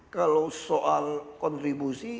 kalau soal kontribusi